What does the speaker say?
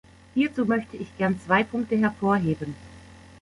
Hierzu möchte ich gern zwei Punkte hervorheben.